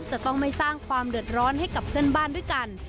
จะต้องไม่สร้างความเดือดร้อนให้กับเพื่อนบ้านด้วยกัน